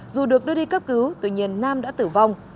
dù được đưa đi cấp cứu tuy nhiên nam đã tử vong